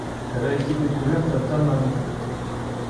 Elle a été découverte à Tamán.